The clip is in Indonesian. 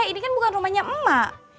ini kan bukan rumahnya emak